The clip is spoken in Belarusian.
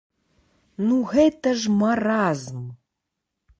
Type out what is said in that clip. Ну гэта ж маразм!